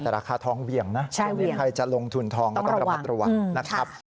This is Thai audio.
แต่ราคาทองเหวี่ยงนะใครจะลงทุนทองก็ต้องระวังนะครับ